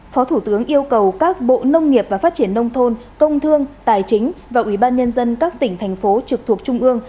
phó thủ tướng yêu cầu các bộ nông nghiệp và phát triển nông thôn công thương tài chính và ủy ban nhân dân các tỉnh thành phố trực thuộc trung ương